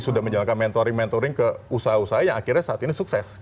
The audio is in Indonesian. sudah menjalankan mentoring mentoring ke usaha usaha yang akhirnya saat ini sukses